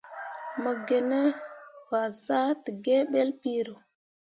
Mo gine fazahtǝgǝǝ ɓelle piro.